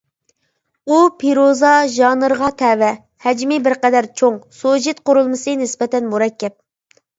ئۇ پىروزا ژانىرىغا تەۋە، ھەجمى بىر قەدەر چوڭ، سۇژىت قۇرۇلمىسى نىسبەتەن مۇرەككەپ.